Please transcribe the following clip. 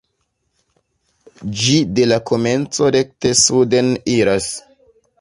Ĝi de la komenco rekte suden iras.